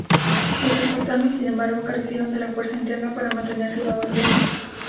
Los espartanos, sin embargo, carecieron de la fuerza interna para mantener su nuevo Imperio.